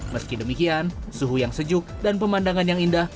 meski demikian suhu yang sejuk dan pemandangan yang indah